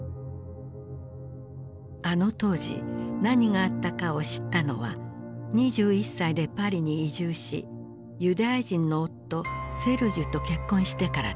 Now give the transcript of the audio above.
あの当時何があったかを知ったのは２１歳でパリに移住しユダヤ人の夫セルジュと結婚してからだった。